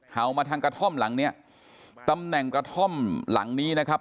มาทางกระท่อมหลังเนี้ยตำแหน่งกระท่อมหลังนี้นะครับ